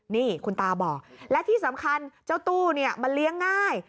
นี่คุณตาบอกและที่สำคัญเจ้าตู้เนี่ยมันเลี้ยงง่าย